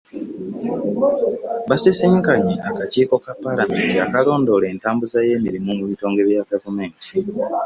Basisinkanye akakiiko ka Paalamenti akalondoola entambuza y'emirimu mu bitongole bya gavumenti